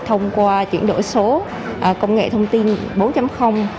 thông qua chuyển đổi số công nghệ thông tin bốn